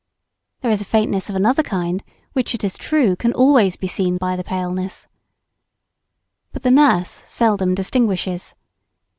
There is a faintness of another kind which, it is true, can always be seen by the paleness. But the nurse seldom distinguishes.